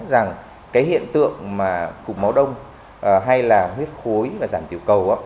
rằng hiện tượng cục máu đông hay huyết khối và giảm tiểu cầu